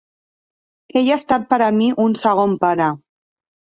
Ell ha estat per a mi un segon pare.